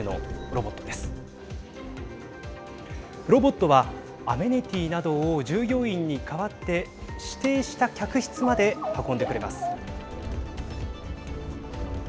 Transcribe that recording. ロボットはアメニティーなどを従業員に代わって指定した客室まで運んでくれます。